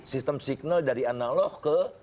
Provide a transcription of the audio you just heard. sistem signal dari analog ke